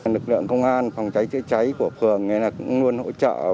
lực lượng công an phòng cháy chữa cháy của phường luôn hỗ trợ và báo tập huấn cho anh em